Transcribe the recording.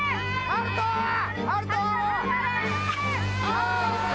ああ。